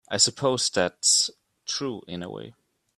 I suppose that's true in a way.